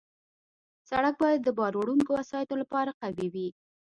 سړک باید د بار وړونکو وسایطو لپاره قوي وي.